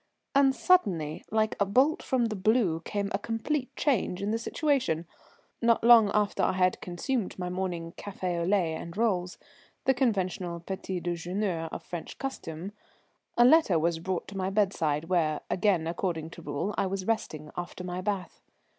And suddenly, like a bolt from the blue, came a complete change in the situation. Not long after I had consumed my morning café au lait and rolls, the conventional petit déjeuner of French custom, a letter was brought to my bedside, where, again according to rule, I was resting after my bath.